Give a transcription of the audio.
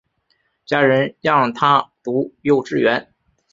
家人让她读幼稚园